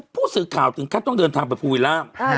ผู้สื่อข่าวถึงขั้นต้องเดินทางไปภูวิลล่า